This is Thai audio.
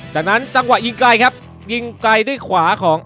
จากนั้นจังหวะยิงไกลครับยิงไกลด้วยขวาของ